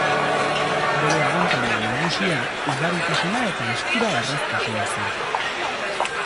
Bere abantaila nagusia ugaritasuna eta eskura-erraztasuna zen.